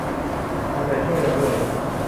เอาใจช่วยเราด้วย